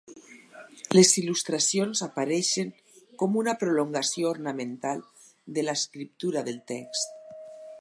Les il·lustracions apareixen com una prolongació ornamental de l'escriptura del text.